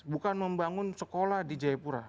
bukan membangun sekolah di jayapura